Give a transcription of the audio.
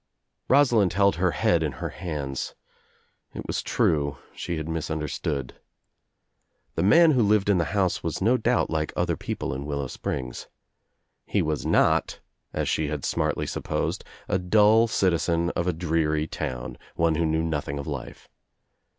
Rosalind held her head in her bands. It was true she had misunderstood. The man who lived in the house was no doubt like other people in Willow Springs. He was not, as she had smartly supposed, a dull citizen of a dreary town, one who knew nothing of life.